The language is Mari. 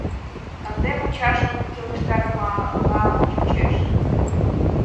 Ынде мучашым келыштарымыла чучеш.